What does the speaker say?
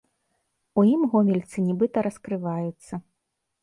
У ім гомельцы нібыта раскрываюцца.